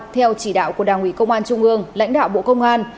theo chỉ đạo của đảng ủy công an trung ương lãnh đạo bộ công an